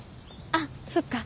あっそっか。